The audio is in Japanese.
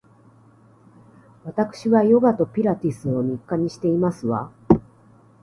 わたくしはヨガとピラティスを日課にしていますわ